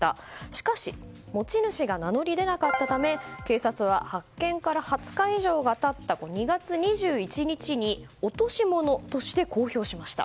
しかし持ち主が名乗り出なかったため警察は発見から２０日以上が経った２月２１日に落とし物として公表しました。